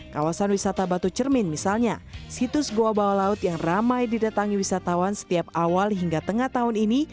kawasan wisata batu cermin misalnya situs goa bawah laut yang ramai didatangi wisatawan setiap awal hingga tengah tahun ini